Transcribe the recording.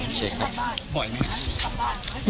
หลังจากทราบข่าวแล้วตกใจไหมครับ